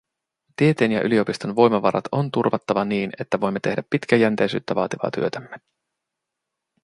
Tieteen ja yliopiston voimavarat on turvattava niin, että voimme tehdä pitkäjänteisyyttä vaativaa työtämme.